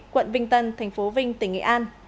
quận vinh tân tp vinh tỉnh nghệ an